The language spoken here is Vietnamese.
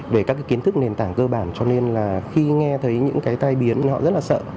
về các cái kiến thức nền tảng cơ bản cho nên là khi nghe thấy những cái tai biến thì họ rất là sợ